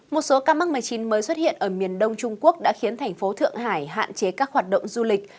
một số ca mắc covid một mươi chín mới xuất hiện ở miền đông trung quốc đã khiến thành phố thượng hải hạn chế các hoạt động du lịch